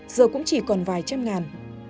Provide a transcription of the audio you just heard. giờ cũng chỉ còn vài trăm ngàn